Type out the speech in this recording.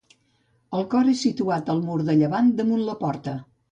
El cor és situat al mur de llevant, damunt la porta.